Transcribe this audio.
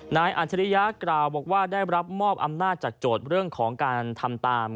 อาจริยะกล่าวบอกว่าได้รับมอบอำนาจจากโจทย์เรื่องของการทำตาม